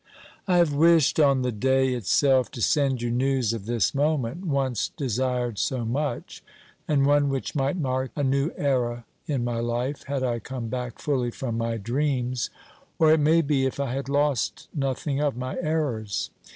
I have wished on the day itself to send you news of this moment, once desired so much, and one which might mark a new era in my hfe, had I come back fully from my dreams, or it may be, if I had lost nothing of my errors.